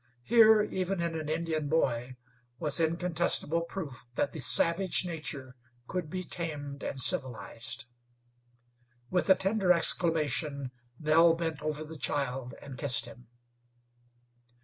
Here, even in an Indian boy, was incontestable proof that the savage nature could be tamed and civilized. With a tender exclamation Nell bent over the child and kissed him.